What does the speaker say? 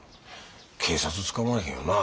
警察捕まらへんよな？